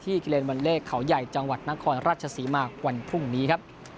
กิเลนวันเลขเขาใหญ่จังหวัดนครราชศรีมาวันพรุ่งนี้ครับ